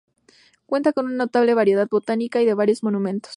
Cuenta con una notable variedad botánica y de varios monumentos.